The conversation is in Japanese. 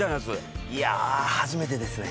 いや初めてですね。